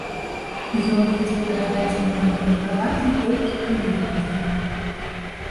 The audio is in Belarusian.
Ён будзе перададзены на абмеркаванне толькі ў ліпені.